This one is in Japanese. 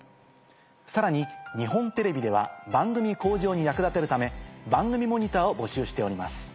さらに日本テレビでは番組向上に役立てるため番組モニターを募集しております。